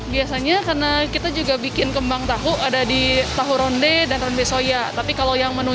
biasanya karena kita juga bikin kembang tahu ada di tahu ronde dan ronde soya tapi kalau yang menu